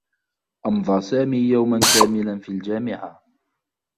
أمضى سامي يوما كاملا في الجامعة.